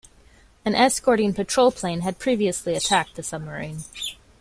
An escorting patrol plane had previously attacked the submarine.